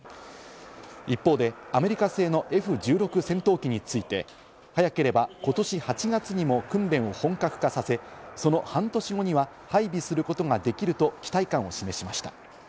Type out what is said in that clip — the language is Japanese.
一方でアメリカ製のＦ１６戦闘機について、早ければことし８月にも訓練を本格化させ、その半年後には配備することができると期待感を示しました。